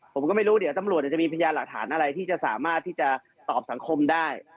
ผมก็ไม่รู้เดี๋ยวตำรวจจะมีพยานหลักฐานอะไรที่จะสามารถที่จะตอบสังคมได้